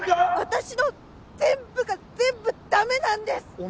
私の全部が全部駄目なんです。